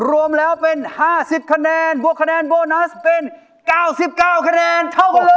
รวมแล้วเป็นห้าสิบคะแนนบวกคะแนนโบนัสเป็นเก้าสิบเก้าคะแนนเท่ากันเลย